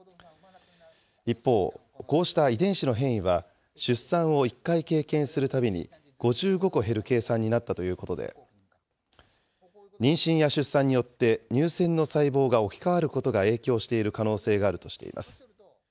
一方、こうした遺伝子の変異は、出産を１回経験するたびに５５個減る計算になったということで、妊娠や出産によって乳腺の細胞が置き換わることが影響している可能性があるとしています。